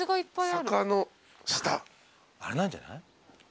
あれなんじゃない？